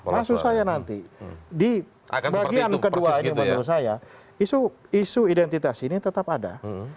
maksud saya nanti di bagian kedua ini menurut saya isu identitas ini tetap ada